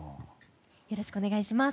よろしくお願いします。